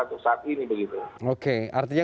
untuk saat ini begitu oke artinya